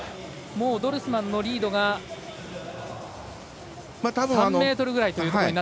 ドルスマンのリードが３ｍぐらいというところ。